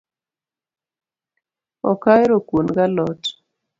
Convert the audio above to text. Ok ahero kuon gi alot